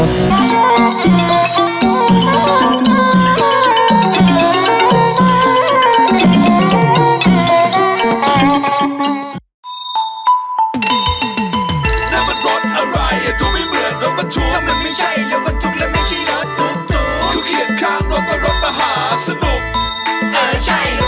โปรดติดตามตอนต่อไป